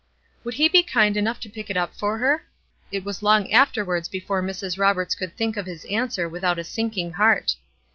Would he be kind enough to pick it up for her? It was long afterwards before Mrs. Roberts could think of his answer without a sinking heart.